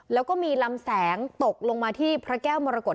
แล้วก็มีลำแสงตกลงมาที่พระแก้วมรกฏ